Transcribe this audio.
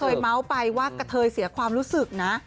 ก็เคยเม้าไปว่ากะเทยเสียความรู้สึกนะ